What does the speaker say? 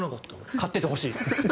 買っててほしい。